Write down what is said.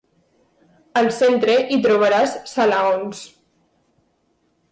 Al centre hi trobaràs salaons.